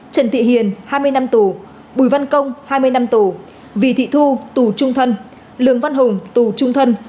trần thị hiền hai mươi năm tù bùi văn công hai mươi năm tù vì thị thu tù trung thân lường văn hùng tù trung thân